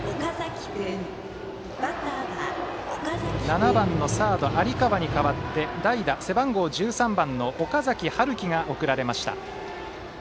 ７番サード、有川に代えて代打、背番号１３番の岡崎遥希が送られました。